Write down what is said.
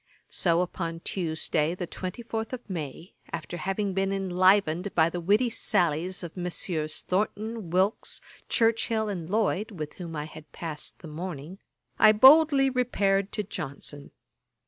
So upon Tuesday the 24th of May, after having been enlivened by the witty sallies of Messieurs Thornton, Wilkes, Churchill and Lloyd, with whom I had passed the morning, I boldly repaired to Johnson.